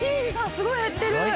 すごい減ってる。